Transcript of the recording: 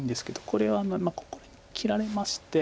これはここに切られまして。